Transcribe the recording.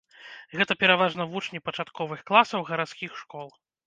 Гэта пераважна вучні пачатковых класаў гарадскіх школ.